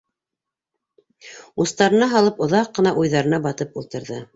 Устарына һалып оҙаҡ ҡына уйҙарына батып ултырҙы.